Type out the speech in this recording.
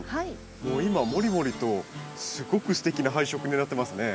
もう今もりもりとすごくすてきな配色になってますね。